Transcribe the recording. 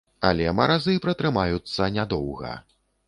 Але маразы пратрымаюцца нядоўга.